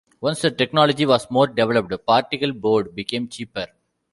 Once the technology was more developed, particle board became cheaper.